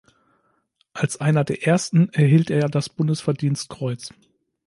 Als einer der ersten erhielt er das Bundesverdienstkreuz.